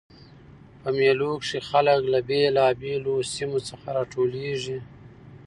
په مېلو کښي خلک له بېلابېلو سیمو څخه راټولیږي.